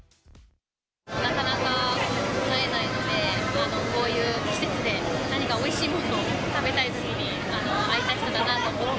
なかなか会えないので、こういう季節で何かおいしいものを食べたいときに、会いたい人だなと思って。